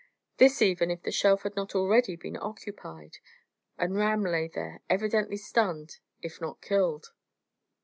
This even if the shelf had not already been occupied; and Ram lay there, evidently stunned, if not killed.